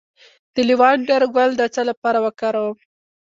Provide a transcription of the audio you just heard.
د لیوانډر ګل د څه لپاره وکاروم؟